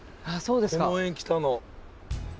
この辺来たの。